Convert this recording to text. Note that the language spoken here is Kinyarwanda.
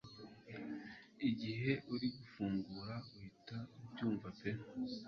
igihe uri gufungura uhita ubyumva pe